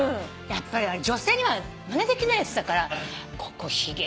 やっぱり女性にはまねできないやつだからここひげ。